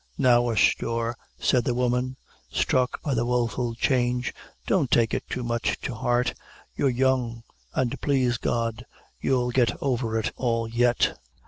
"Now, asthore," said the woman, struck by the woeful change "don't take it too much to. heart; you're young, an' please God, you'll get over it all yet."